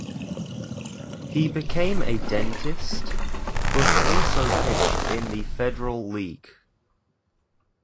He became a dentist, but also pitched in the Federal League.